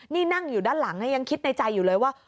นี่นั่งอยู่ด้านหลังยังคิดในใจอยู่เลยว่า